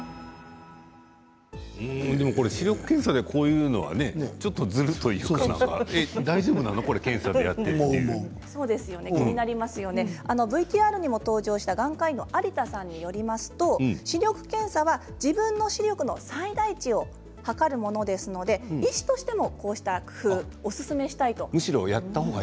これ視力検査でこういうのってちょっとずるというかＶＴＲにも登場した眼科医の有田さんによりますと視力検査は自分の視力の最大値を測るものですので医師としてもこうした工夫をおすすめしたいと。